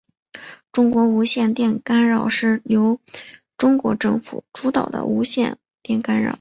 中国无线电干扰是由中国政府主导的无线电干扰。